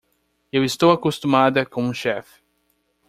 Eu estou acostumada com o chefe.